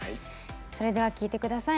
それでは聴いてください。